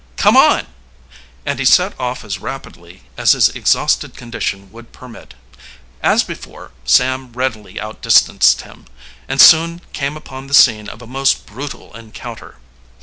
"Come on!" and he set off as rapidly as his exhausted condition would permit. As before, Sam readily outdistanced him, and soon came upon the scene of a most brutal encounter.